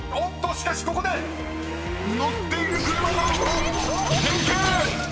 しかしここで乗っている車が変形！］